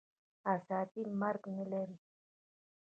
آزادي مرګ نه لري.